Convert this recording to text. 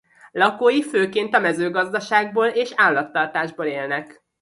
Lakói főként a mezőgazdaságból és állattartásból élnek.